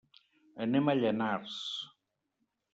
Anem a Llanars.